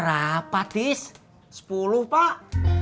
nah buat gimana tuh cud